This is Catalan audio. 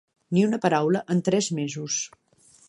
Ni una paraula en tres mesos.